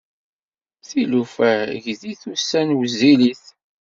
Tilufa ggtit, ussan wezzilit.